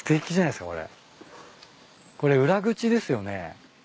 これ裏口ですよね。